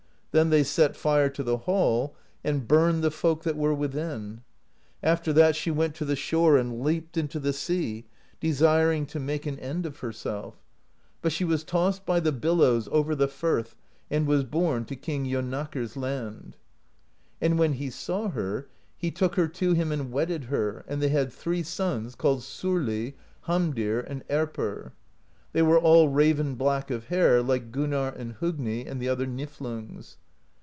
Then they set fire to the hall, and burned the folk that were within. After that she went to the shore and leaped into the sea, desiring to make 158 PROSE EDDA an end of herself; but she was tossed by the billows over the firth, and was borne to King Jonakr's land. And when he saw her, he took her to him and wedded her, and they had three sons, called Sorli, Hamdir, and Erpr: they were all raven black of hair, like Gunnarr and Hogni and the other Niflungs.